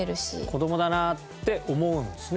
子どもだなって思うんですね